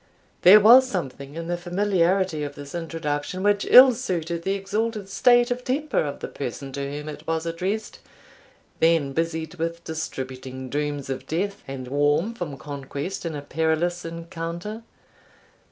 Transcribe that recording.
There was something in the familiarity of this introduction which ill suited the exalted state of temper of the person to whom it was addressed, then busied with distributing dooms of death, and warm from conquest in a perilous encounter.